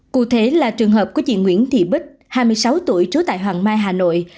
cụ thể là trường hợp của chị nguyễn thị bích hai mươi sáu tuổi trú tại hoàng mai hà nội